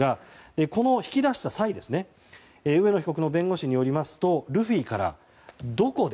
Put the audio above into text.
この引き出した際上野被告の弁護士によりますとルフィから、どこで。